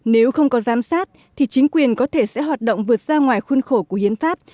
nếu không có giám sát thì chính quyền có thể sẽ hoạt động vượt ra ngoài khuôn khổ của hiến pháp